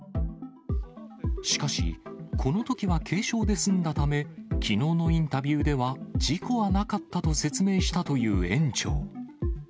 しかし、このときは軽傷で済んだため、きのうのインタビューでは事故はなかったと説明したという園長。